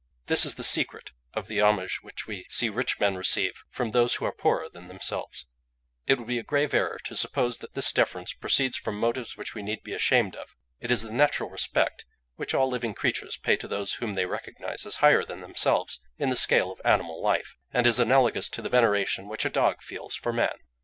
"This is the secret of the homage which we see rich men receive from those who are poorer than themselves: it would be a grave error to suppose that this deference proceeds from motives which we need be ashamed of: it is the natural respect which all living creatures pay to those whom they recognise as higher than themselves in the scale of animal life, and is analogous to the veneration which a dog feels for man.